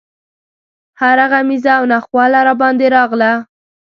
هره غمیزه او ناخواله راباندې راغله.